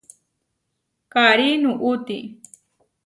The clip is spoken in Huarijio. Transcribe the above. Karí nuʼúti.